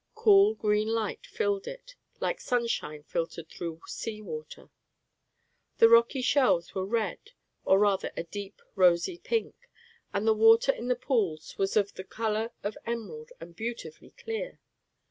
Cool green light filled it, like sunshine filtered through sea water. The rocky shelves were red, or rather a deep rosy pink, and the water in the pools was of the color of emerald and beautifully clear.